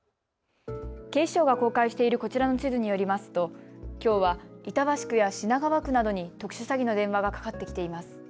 警視庁が公開しているこちらの地図によりますときょうは板橋区や品川区などに特殊詐欺の電話がかかってきています。